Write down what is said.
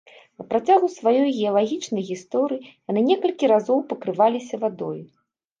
На працягу сваёй геалагічнай гісторыі яны некалькі разоў пакрываліся вадой.